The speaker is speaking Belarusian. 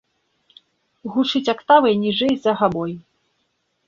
Гучыць актавай ніжэй за габой.